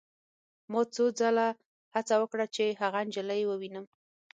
ما څو ځله هڅه وکړه چې هغه نجلۍ ووینم